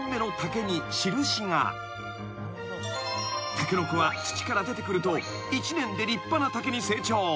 ［タケノコは土から出てくると１年で立派な竹に成長］